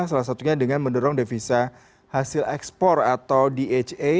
salah satunya dengan mendorong devisa hasil ekspor atau dha